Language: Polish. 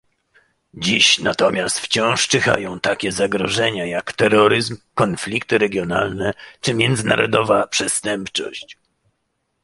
Dziś natomiast wciąż czyhają takie zagrożenia jak terroryzm, konflikty regionalne czy międzynarodowa przestępczość